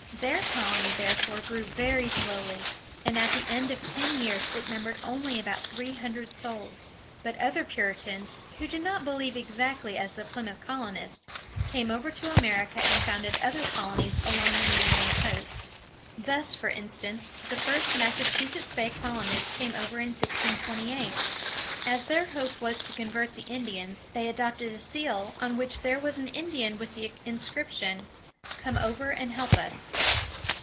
Their colony therefore grew very slowly, and at the end of ten years it numbered only about three hundred souls. But other Puritans, who did not believe exactly as the Plymouth colonists, came over to America and founded other colonies along the New England coast. [Illustration: G. H. Boughton, Artist. Pilgrims going to Church.] Thus, for instance, the first Mas sa chu´setts Bay colonists came over in 1628. As their hope was to convert the Indians, they adopted a seal on which there was an Indian, with the inscription, "Come over and help us."